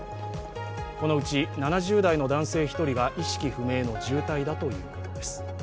このうち７０代の男性１人が意識不明の重体だということです。